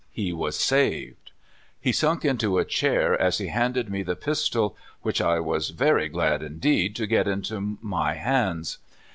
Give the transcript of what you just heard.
He was saved. He sunk into a chair as he handed me the pistol, which I was very glad indeed to get into my hands.